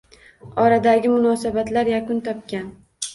Oradagi munosabatlar yakun topgan